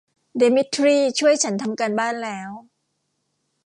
เดมิทรี่ช่วยฉันทำการบ้านแล้ว